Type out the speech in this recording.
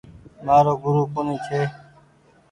مآرو گورو ڪونيٚ ڇي۔